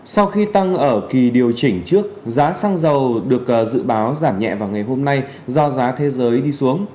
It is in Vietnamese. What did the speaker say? sau khi tăng ở kỳ điều chỉnh trước giá xăng dầu được dự báo giảm nhẹ vào ngày hôm nay do giá thế giới đi xuống